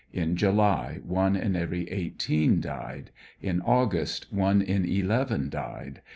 ' In July one in every eighteen died. In August one in eleven died.